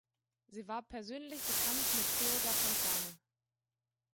Sie war persönlich bekannt mit Theodor Fontane.